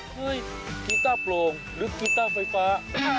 กีต้าโปร่งหรือกีต้าไฟฟ้า